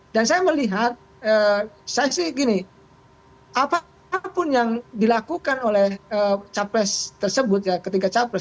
dan saya melihat saya sih gini apapun yang dilakukan oleh capres tersebut ya ketika capres